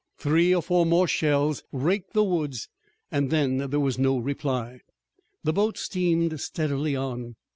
Three or four more shells raked the woods, and then there was no reply. The boats steamed steadily on.